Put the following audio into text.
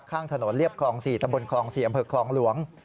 ข้างถนนเรียบคลอง๔ตะบนคลอง๔อำเภอคลองหลวง